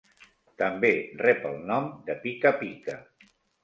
També rep el nom de Pica-Pica.